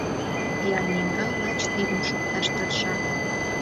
Ярмиҥга лач тидым шукташ тырша.